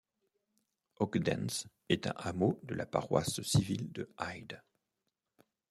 Ogdens est un hameau de la paroisse civile de Hyde.